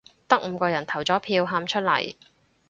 得五個人投咗票，喊出嚟